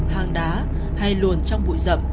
hàng đá hay luồn trong bụi rậm